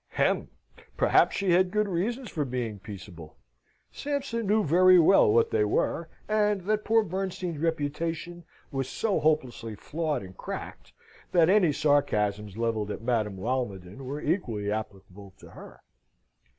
"Hem! Perhaps she had good reasons for being peaceable!" Sampson knew very well what they were, and that poor Bernstein's reputation was so hopelessly flawed and cracked, that any sarcasms levelled at Madame Walmoden were equally applicable to her.